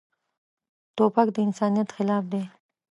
توپک د انسانیت خلاف دی.